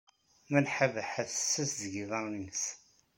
Malḥa Baḥa tessazdeg iḍarren-nnes.